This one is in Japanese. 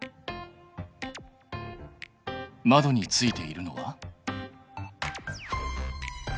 窓についているのは？